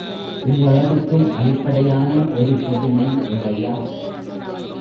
இவ்வளவுக்கும் அடிப்படையான ஒரு பொதுமை இல்லையா?